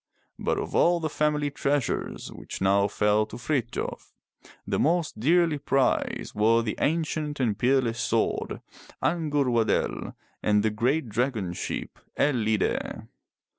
But of all the family treasures which now fell to Frith j of, the most dearly prized were the ancient and peerless sword, Ang'ur wa'del, and the great dragon ship, El lide'.